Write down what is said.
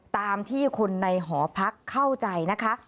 ตามที่คนในหอพักเข้าใจนะคะ